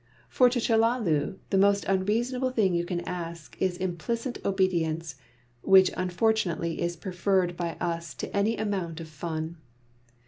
For to Chellalu the most unreasonable thing you can ask is implicit obedience, which unfortunately is preferred by us to any amount of fun.